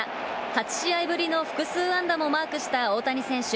８試合ぶりの複数安打もマークした大谷選手。